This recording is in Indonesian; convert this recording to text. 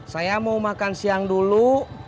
saya mau makan siang dulu